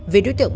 vì đối tượng